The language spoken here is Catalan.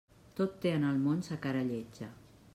Tot té en el món sa cara lletja.